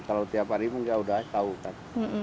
kalau tiap hari pun gak udah tau kan